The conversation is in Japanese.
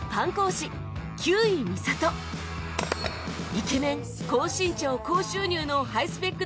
イケメン高身長高収入のハイスペック